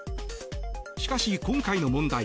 しかし、今回の問題